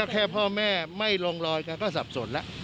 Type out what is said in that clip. แค่พ่อแม่ไม่ลงรอยแกก็สับสนแล้ว